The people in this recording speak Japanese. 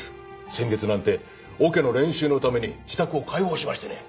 先月なんてオケの練習のために自宅を開放しましてね。